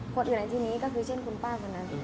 คนอยู่ในที่นี้ก็คือเช่นคุณป้าคนนั้น